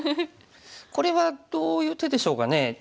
これはどういう手でしょうかね。